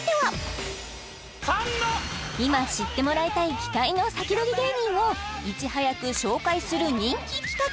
今知ってもらいたい期待のサキドリ芸人をいち早く紹介する人気企画